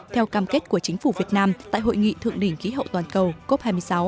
theo cam kết của chính phủ việt nam tại hội nghị thượng đỉnh khí hậu toàn cầu cop hai mươi sáu